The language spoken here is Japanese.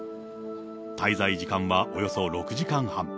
滞在時間はおよそ６時間半。